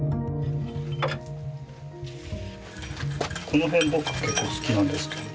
この辺僕結構好きなんですけど。